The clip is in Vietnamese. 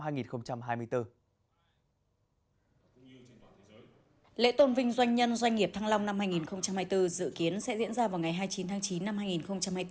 lễ tôn vinh doanh nhân doanh nghiệp thăng long năm hai nghìn hai mươi bốn dự kiến sẽ diễn ra vào ngày hai mươi chín tháng chín năm hai nghìn hai mươi bốn